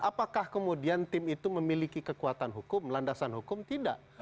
apakah kemudian tim itu memiliki kekuatan hukum landasan hukum tidak